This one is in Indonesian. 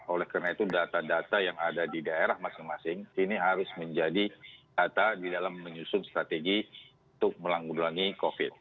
oleh karena itu data data yang ada di daerah masing masing ini harus menjadi data di dalam menyusun strategi untuk melanggulangi covid